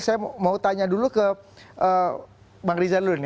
saya mau tanya dulu ke bang riza dulu nih